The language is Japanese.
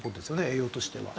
栄養としては。